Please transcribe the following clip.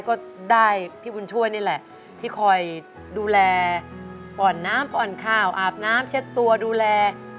ก็ได้พี่บุญช่วยนี่แหละที่คอยดูแลอ่อนน้ำอ่อนข้าวอาบน้ำเช็ดตัวดูแล